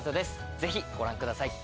ぜひご覧ください